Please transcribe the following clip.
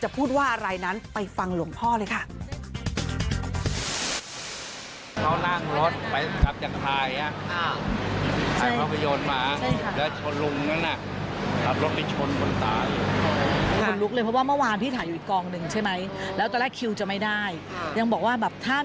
พูดว่าอะไรนั้นไปฟังหลวงพ่อเลยค่ะ